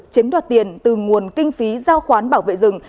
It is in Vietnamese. chiếm đoạt tiền từ nguồn kinh phí giao khoán bảo vệ rừng